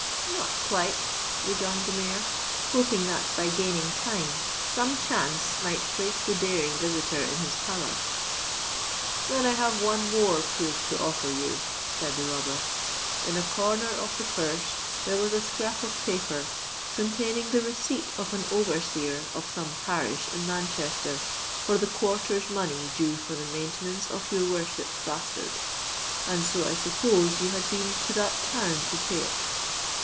"—"Not quite," rejoined the Mayor, hoping that by gaining time, some chance might place the daring visitor in his power.—"Then I have one more proof to offer you," said the robber. "In a corner of the purse there was a scrap of paper containing the receipt of an overseer of some parish in Manchester for the quarter's money due for the maintenance of your worship's bastard; and so I suppose you had been to that town to pay it."